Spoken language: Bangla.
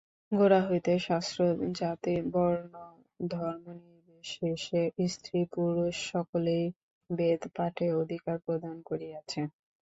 গোড়া হইতেই শাস্ত্র জাতিবর্ণধর্মনির্বিশেষে স্ত্রীপুরুষ সকলকেই বেদপাঠে অধিকার প্রদান করিয়াছে।